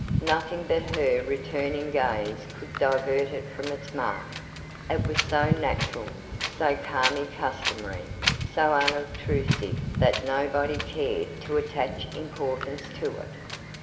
Nothing but her returning gaze could divert it from its mark. It was so natural, so calmly customary, so unobtrusive, that nobody cared to attach importance to it.